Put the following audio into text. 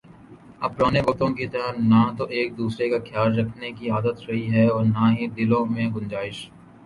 اب پرانے وقتوں کی طرح نہ تو ایک دوسرے کا خیال رکھنے کی عادت رہی ہے اور نہ ہی دلوں میں گنجائش